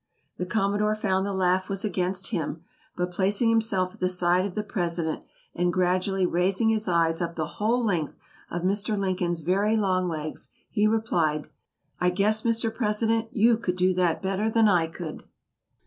The Commodore found the laugh was against him, but placing himself at the side of the President, and gradually raising his eyes up the whole length of Mr. Lincoln's very long legs, he replied: "I guess Mr. President, you could do that better than I could."